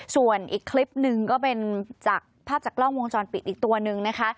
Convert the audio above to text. ส่วนอีกคลิปหนึ่งก็เป็นจากภาพจากกล้องวงจรปิดอีกตัวนึงนะคะ